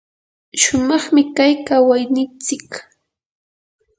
shumaqmi kay kawaynintsik.